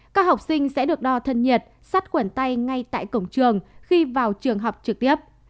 các học sinh sẽ được đo thân nhiệt sắt khuẩn tay ngay tại cổng trường khi vào trường học trực tiếp